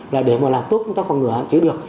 là để mà làm tốt công tác phòng ngừa hạn chế được